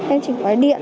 em chỉ gọi điện